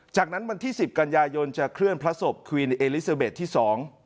จากนั้นวันที่สิบกันยายนจะเคลื่อนพระศพควีนเอลิซาเบสที่สอง